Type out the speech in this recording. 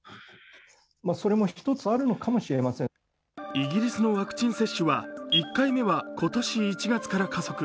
イギリスのワクチン接種は１回目は今年１月から加速。